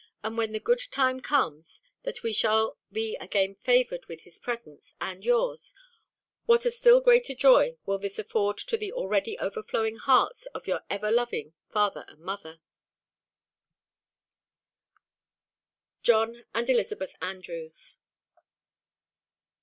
And when the good time comes, that we shall be again favoured with his presence and yours, what a still greater joy will this afford to the already overflowing hearts of your ever loving father and mother, JOHN and ELIZ. ANDREWS.